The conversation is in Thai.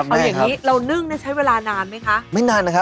แม่ขอรวมไม่ได้หรอกคะ